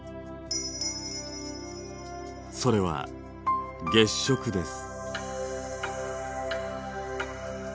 それは「月食」です。